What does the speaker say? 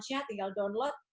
nanti launch nya tinggal download